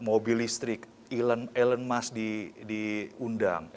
mobil listrik elon musk diundang